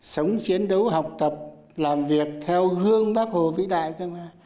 sống chiến đấu học tập làm việc theo gương bác hồ vĩ đại cơ mà